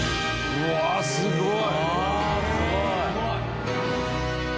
うわすごい！